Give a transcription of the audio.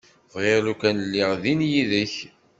Bɣiɣ lukan lliɣ din yid-k.